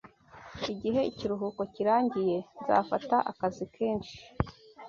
Igihe ikiruhuko kirangiye, nzafata akazi kenshi.